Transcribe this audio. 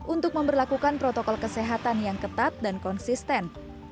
untuk memperlakukan protokol kesehatan yang ketat dan konsisten